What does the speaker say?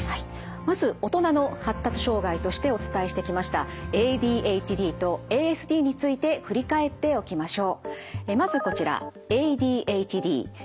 まず「大人の発達障害」としてお伝えしてきましたＡＤＨＤとＡＳＤについて振り返っておきましょう。